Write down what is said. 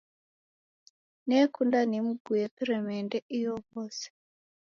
Nekunda nimguye peremende inyow'ose.